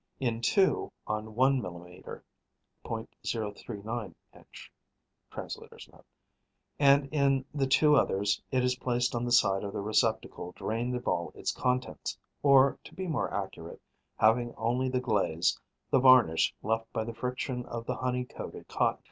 in two, on one millimetre (.039 inch. Translator's Note.); and, in the two others, it is placed on the side of the receptacle drained of all its contents, or, to be more accurate, having only the glaze, the varnish left by the friction of the honey covered cotton.